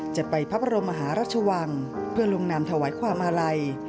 จะไปพระบรมมหาราชวังเพื่อลงนามถวายความอาลัย